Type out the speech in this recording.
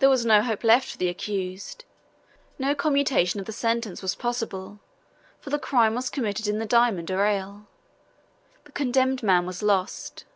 There was no hope left for the accused. No commutation of the sentence was possible, for the crime was committed in the diamond arrayal. The condemned man was lost.